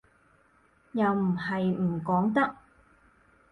又唔係唔講得